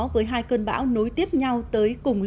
với hai cơn bão nối tiếp nhau tới cùng